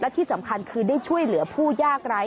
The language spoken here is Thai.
ที่สำคัญคือได้ช่วยเหลือผู้ยากไร้